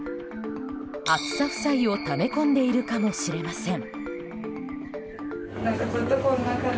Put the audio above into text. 暑さ負債をため込んでいるかもしれません。